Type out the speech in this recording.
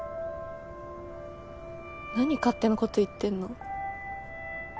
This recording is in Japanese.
何勝手なこと言ってんの？